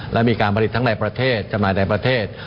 และมีการผลิตทั้งในประเทศจำหน่ายในประเทศ